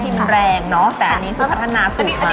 อินแรงเนอะแต่อันนี้คือพัฒนาสูงมาก